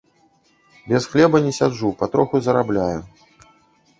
Без хлеба не сяджу, патроху зарабляю.